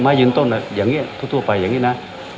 ยืนต้นอย่างนี้ทั่วไปอย่างนี้นะ